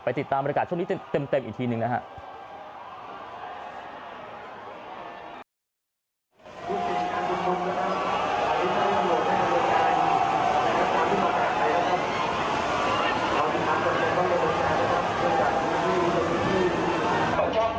ติดตามบรรยากาศช่วงนี้เต็มอีกทีหนึ่งนะครับ